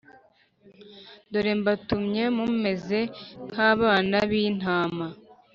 Dore Mbatumye Mumeze Nk Abana B Intama